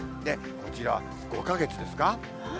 こちらは５か月ですか。